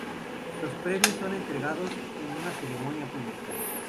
Los premios son entregados en una ceremonia pública.